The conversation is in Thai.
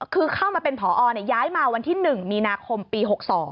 คือเข้ามาเป็นผอย้ายมาวันที่๑มีนาคมปี๖๒